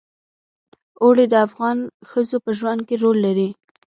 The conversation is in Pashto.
اوړي د افغان ښځو په ژوند کې رول لري.